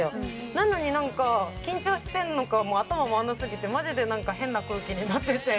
なのになんか緊張してるのか頭回らなすぎてマジでなんか変な空気になってて。